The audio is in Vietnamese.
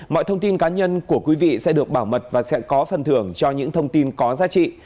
mọi thông tin cá nhân của quý vị sẽ được bảo mật và sẽ có phần thưởng cho những thông tin có giá trị